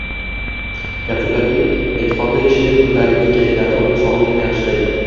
Gap shundaki, e’tiqodli kishining ko‘tarinki kayfiyati uning sog‘lig‘ini yaxshilaydi.